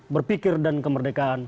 berpikir dan kemerdekaan